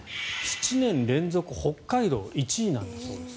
７年連続北海道１位なんだそうです。